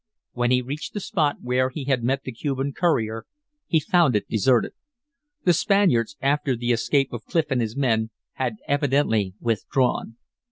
When he reached the spot where he had met the Cuban courier he found it deserted. The Spaniards, after the escape of Clif and his men, had evidently withdrawn.